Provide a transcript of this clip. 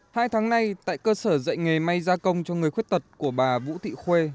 hai tháng nay tại cơ sở dạy nghề may gia công cho người khuyết tật của bà vũ thị khuê